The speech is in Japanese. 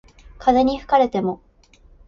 風に吹かれても